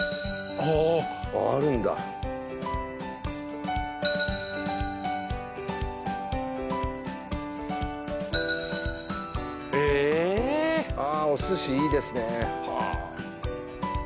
あああるんだえっああお寿司いいですね